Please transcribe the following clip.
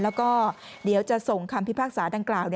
แล้วก็เดี๋ยวจะส่งคำพิพากษาดังกล่าว